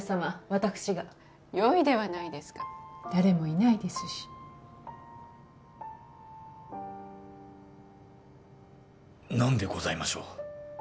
私がよいではないですか誰もいないですし何でございましょう？